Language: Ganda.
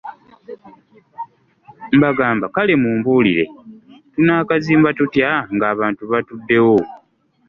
Mbagamba kale mumbuulire tunaakazimba tutya ng'abantu batuddewo?